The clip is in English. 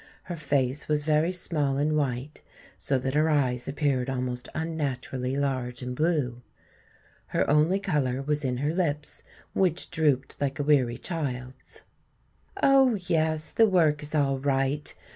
Her face was very small and white, so that her eyes appeared almost unnaturally large and blue. Her only color was in her lips, which drooped like a weary child's. "Oh, yes, the work is all right.